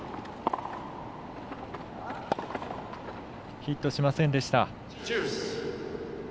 ヒットしませんでした。